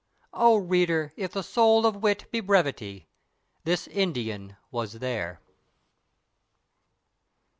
_" O reader! if the soul of wit Be brevity, this Indian was there.